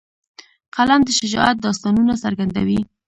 قلم د شجاعت داستانونه څرګندوي